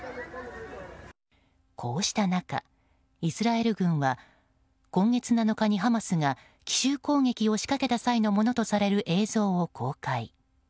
こうした中、イスラエル軍は今月７日にハマスが奇襲攻撃を仕掛けた際のものとされる映像を公開。